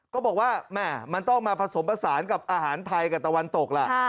ก็บอกว่าแม่มันต้องมาผสมผสานกับอาหารไทยกับตะวันตกล่ะ